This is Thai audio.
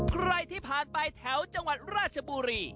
ใครที่ผ่านไปแถวจังหวัดราชบุรี